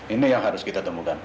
ini yang harus kita temukan